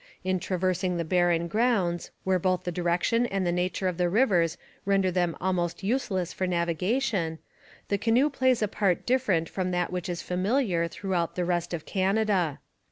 In traversing the barren grounds, where both the direction and the nature of the rivers render them almost useless for navigation, the canoe plays a part different from that which is familiar throughout the rest of Canada.